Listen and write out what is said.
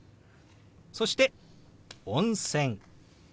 そして「温泉」。